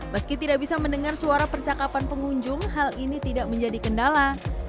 meski tidak bisa mendengar suara percakapan pengunjung hal ini tidak menjadi kendala